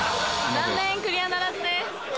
残念クリアならずです。